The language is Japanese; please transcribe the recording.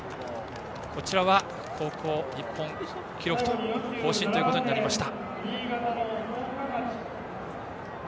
こちらは高校日本記録更新となりました。